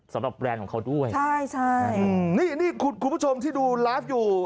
แบรนด์ของเขาด้วยใช่ใช่อืมนี่นี่คุณผู้ชมที่ดูไลฟ์อยู่